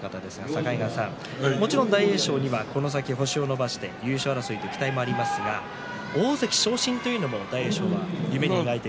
境川さん、もちろん大栄翔にはこの先、星を伸ばして優勝という期待がありますが大関昇進というのも夢に描いている。